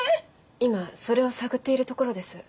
今それを探っているところです。